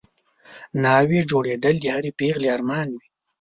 ناوې جوړېدل د هرې پېغلې ارمان وي